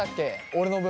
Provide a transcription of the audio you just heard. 俺の分。